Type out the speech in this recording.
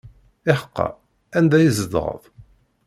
Iḥeqqa, anda i tzedɣeḍ?